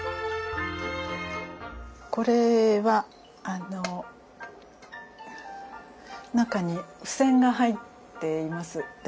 これはあの中に付箋が入っています。